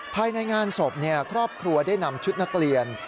ภายในงานศพครอบครัวได้นำชุดนักเรียน